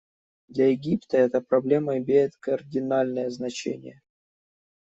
Для Египта эта проблема имеет кардинальное значение.